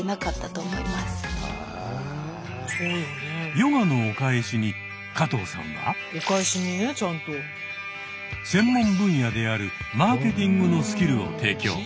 ヨガのお返しに加藤さんは専門分野であるマーケティングのスキルを提供。